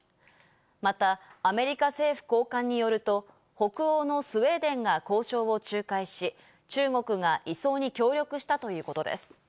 またアメリカ政府高官によると、北欧のスウェーデンが交渉を仲介し、中国が移送に協力したということです。